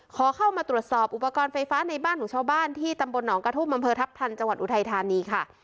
ขอเข้ามาตรวจสอบอุปกรณ์ไฟฟ้าในบ้านของชาวบ้านที่ตำบลหนองกระทุ่มอำเภอทัพทันจังหวัดอุทัยธานีค่ะ